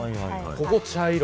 ここ茶色。